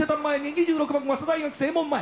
２６番早稲田大学正門前。